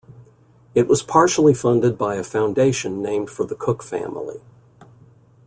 It was partially funded by a foundation named for the Cooke Family.